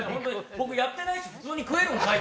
僕、やってなくて普通に食えるんかい。